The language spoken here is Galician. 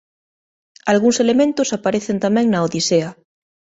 Algúns elementos aparecen tamén na "Odisea".